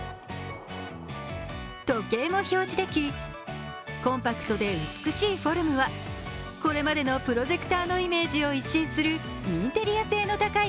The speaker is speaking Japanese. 時計も表示できコンパクトで美しいフォルムはこれまでのプロジェクターのイメージを一新するインテリア性の高い